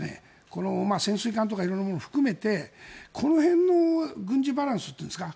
この潜水艦とか色々なものを含めてこの辺の軍事バランスというか。